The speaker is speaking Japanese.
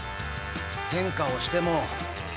変化をしても。